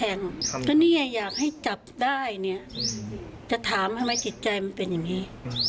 ก็เนี่ยอยากให้จับได้เนี่ยจะถามทำไมจิตใจมันเป็นอย่างนี้